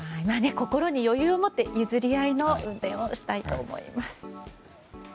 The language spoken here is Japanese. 心に余裕を持って譲り合いの運転をしたいと思います。